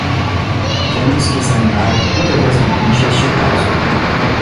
Temos que examinar cuidadosamente este caso.